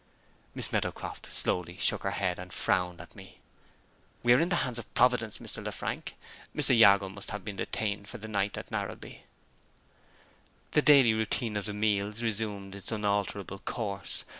Miss Meadowcroft slowly shook her head, and frowned at me. "We are in the hands of Providence, Mr. Lefrank. Mr. Jago must have been detained for the night at Narrabee." The daily routine of the meals resumed its unalterable course.